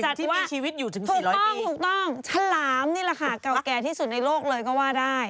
ถูกต้องถูกต้องฉลามนี่แหละค่ะเก่าแก่ที่สุดในโลกเลยก็ว่าได้